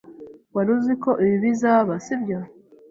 Wari uziko ibi bizaba, sibyo?